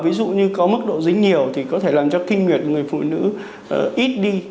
ví dụ như có mức độ dính nhiều thì có thể làm cho kinh nguyệt của người phụ nữ ít đi